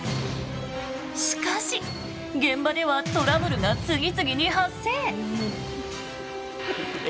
しかし現場ではトラブルが次々に発生！